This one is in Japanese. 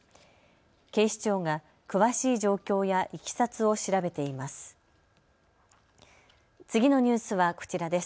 警視庁が詳しい状況やいきさつを調べています。